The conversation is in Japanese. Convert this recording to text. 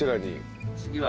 次は。